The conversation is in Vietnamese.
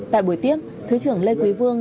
tại buổi tiếp thứ trưởng lê quý vương